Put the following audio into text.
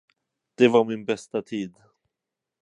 Det var min bästa tid.